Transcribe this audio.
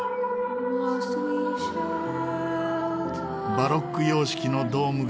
バロック様式のドームが目を引く